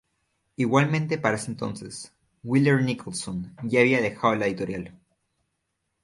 Igualmente, para ese entonces, Wheeler-Nicholson ya había dejado la editorial.